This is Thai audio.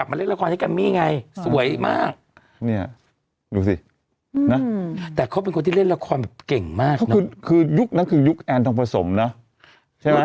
เป็นรุ่นรุ่นเป็นรุ่นพี่หนูนี่ที่เกินไปเป็นพี่เมใช่